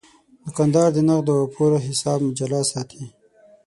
دوکاندار د نغدو او پور حساب جلا ساتي.